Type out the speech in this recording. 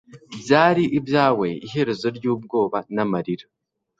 Byari ibyawe iherezo ryubwoba namarira